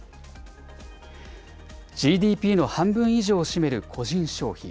ＧＤＰの半分以上を占める個人消費。